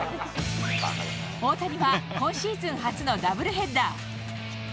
大谷は今シーズン初のダブルヘッダー。